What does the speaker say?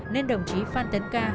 nên đồng chí phan tấn ca